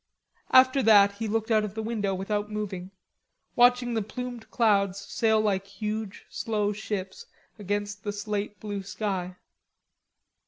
After that he looked out of the window without moving, watching the plumed clouds sail like huge slow ships against the slate blue sky.